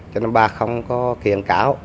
cho nên bà không có kiện cáo